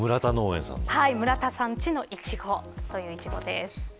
村田さんちのイチゴということです。